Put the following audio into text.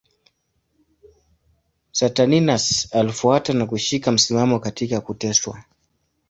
Saturninus alifuata na kushika msimamo katika kuteswa.